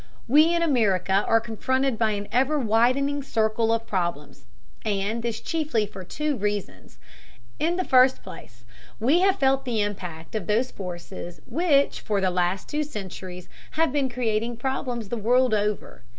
We in America are confronted by an ever widening circle of problems, and this chiefly for two reasons. In the first place, we have felt the impact of those forces which for the last two centuries have been creating problems the world over.